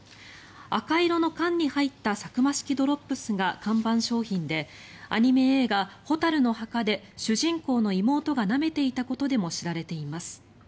赤色の缶に入ったサクマ式ドロップスが看板商品でアニメ映画「火垂るの墓」で主人公の妹がなめていたことでも知られています。